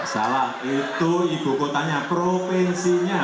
salah itu ibu kotanya provinsinya